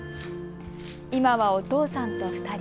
今はお父さんと２人。